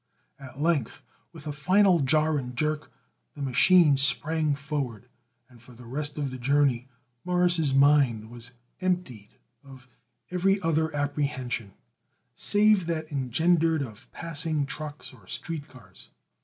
At length, with a final jar and jerk the machine sprang forward, and for the rest of the journey Morris' mind was emptied of every other apprehension save that engendered of passing trucks or street cars.